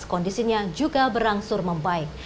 kondisinya juga berangsur membaik